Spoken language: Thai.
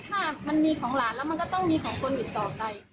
ถ้ามันมีของหลานแล้วมันก็ต้องมีของคนอยู่ต่อไป